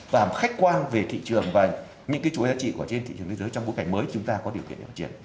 và khách quan về thị trường và những cái chuỗi giá trị của trên thị trường thế giới trong bối cảnh mới chúng ta có điều kiện để phát triển